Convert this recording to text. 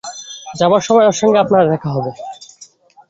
যাবার সময় ওর সঙ্গে আপনার দেখা হবে।